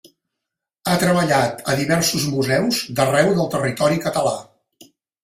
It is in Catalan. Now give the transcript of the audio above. Ha treballat a diversos museus d'arreu del territori català.